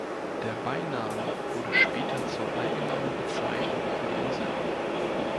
Der Beiname wurde später zur allgemeinen Bezeichnung für die Insel.